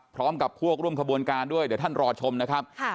พร้อมกับพวกร่วมขบวนการด้วยเดี๋ยวท่านรอชมนะครับ